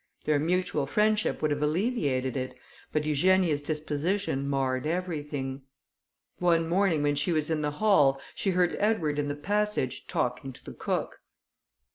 Their mutual friendship would have alleviated it, but Eugenia's disposition marred everything. One morning, when she was in the hall, she heard Edward, in the passage, talking to the cook.